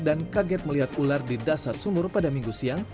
dan kaget melihat ular di dasar sumur pada minggu siang